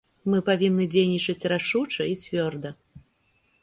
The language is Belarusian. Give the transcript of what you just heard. Мы павінны дзейнічаць рашуча і цвёрда.